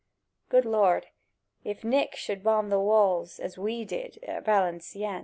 . Good Lord, if Nick should bomb the walls As we did Valencieën!